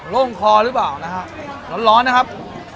โร่งคอรึเปล่านะครับร้อนนะครับ